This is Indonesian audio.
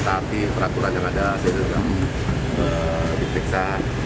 tetapi peraturan yang ada diperiksa